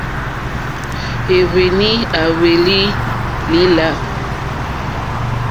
Èɱwèní à hwélì lìlâ.